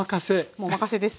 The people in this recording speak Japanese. もうおまかせです。